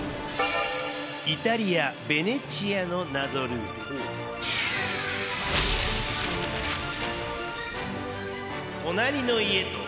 イタリア・ベネチアの謎ルール。